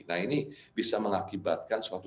nah ini bisa mengakibatkan suatu